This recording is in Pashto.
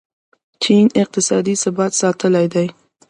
چین اقتصادي ثبات ساتلی دی.